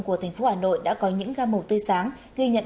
của thành phố hà nội đã có những ga màu tươi sáng ghi nhận